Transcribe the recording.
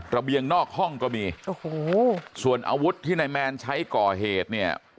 เบียงนอกห้องก็มีโอ้โหส่วนอาวุธที่นายแมนใช้ก่อเหตุเนี่ย